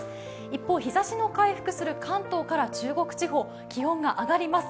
一方日ざしの回復する関東から中国地方、気温が上がります。